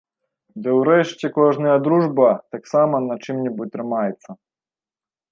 Ды ўрэшце кожная дружба таксама на чым-небудзь трымаецца.